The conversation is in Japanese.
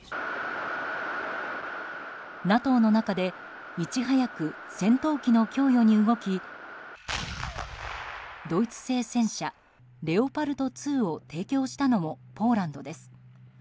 ＮＡＴＯの中で、いち早く戦闘機の供与に動きドイツ製戦車レオパルト２を提供したのもポーランドです。